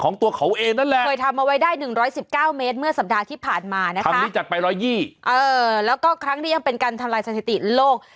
นะคะทำนี่จัดไปร้อยยี่เออแล้วก็ครั้งนี้ยังเป็นการทำลายสัยติโลก